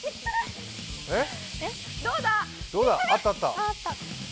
どうだ？